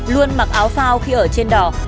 luôn mặc áo phao khi ở trên đỏ